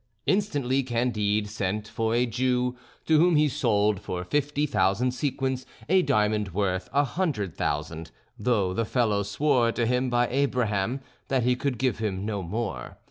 Instantly Candide sent for a Jew, to whom he sold for fifty thousand sequins a diamond worth a hundred thousand, though the fellow swore to him by Abraham that he could give him no more.